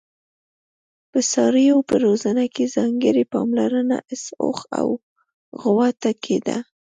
د څارویو په روزنه کې ځانګړي پاملرنه اس، اوښ او غوا ته کېده.